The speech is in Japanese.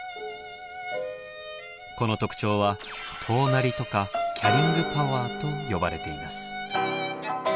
この特徴は「遠鳴り」とか「キャリング・パワー」と呼ばれています。